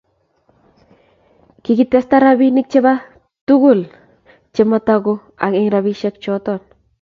Kikitesta rapinik che pa tukul che mataku en rapishek choton